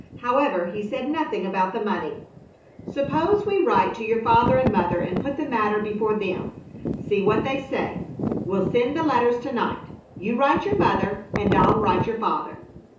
However, he said nothing about the money. "Suppose we write to your father and mother and put the matter before them. See what they say. We'll send the letters to night. You write your mother and I'll write your father."